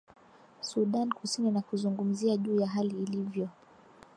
sudan kusini na kuzungumzia juu ya hali ilivyo